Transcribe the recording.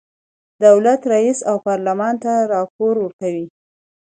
دولت رئیس او پارلمان ته راپور ورکوي.